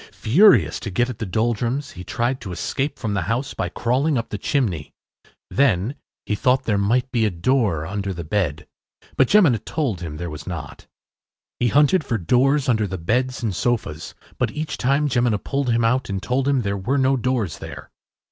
Furious to get at the Doldrums, he tried to escape from the house by crawling up the chimney. Then he thought there might be a door under the bed, but Jemina told him there was not. He hunted for doors under the beds and sofas, but each time Jemina pulled him out and told him there were no doors there.